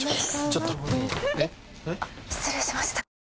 あっ失礼しました。